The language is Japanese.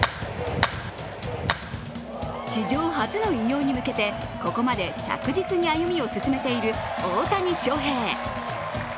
史上初の偉業に向けて、ここまで着実に歩みを進めている大谷翔平。